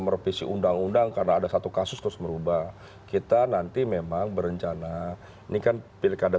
merevisi undang undang karena ada satu kasus terus merubah kita nanti memang berencana ini kan pilkada